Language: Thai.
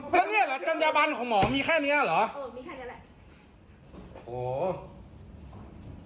แล้วเนี้ยเหรอจัญญาบันของหมอมีแค่เนี้ยเหรอเออมีแค่เนี้ยแหละโอ้โห